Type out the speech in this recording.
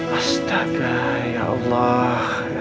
astaga ya allah